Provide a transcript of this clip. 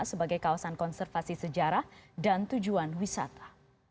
sebagai kawasan konservasi sejarah dan tujuan wisata